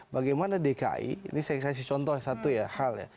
bagaimana dki ini saya kasih contoh satu ya hal ya